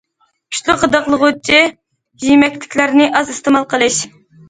كۈچلۈك غىدىقلىغۇچى يېمەكلىكلەرنى ئاز ئىستېمال قىلىش.